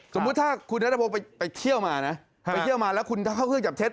สมมุติถ้าคุณนาฏาโพธิไปเที่ยวมาแล้วเข้าเครื่องจับเท็จ